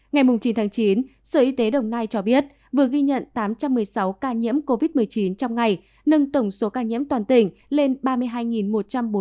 ngày chín tháng chín sở y tế đồng nai cho biết vừa ghi nhận tám trăm một mươi sáu ca nhiễm covid một mươi chín trong ngày nâng tổng số ca nhiễm toàn tỉnh lên ba mươi hai một trăm bốn mươi ca